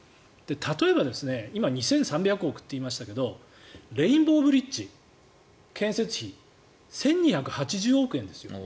例えば今２３００億円と言いましたけどレインボーブリッジ建設費、１２８０億円ですよ。